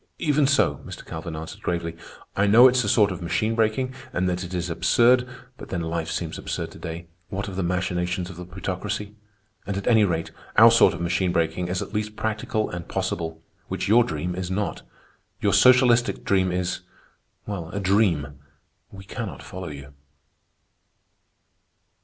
"Even so," Mr. Calvin answered gravely. "I know it's a sort of machine breaking, and that it is absurd. But then life seems absurd to day, what of the machinations of the Plutocracy. And at any rate, our sort of machine breaking is at least practical and possible, which your dream is not. Your socialistic dream is ... well, a dream. We cannot follow you."